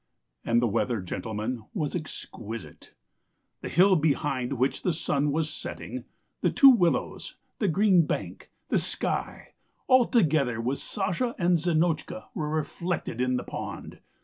And the weather, gentlemen, was exquisite. ... The hill behind which the sun was setting, the two willows, the green bank, the sky all together with Sasha and Zinotchka were reflected in the pond